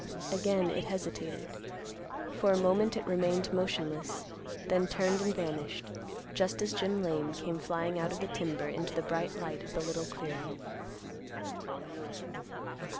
Again it hesitated. For a moment it remained motionless, then turned and vanished, just as Jim Lane came flying out of the timber, into the bright light of the little clearing.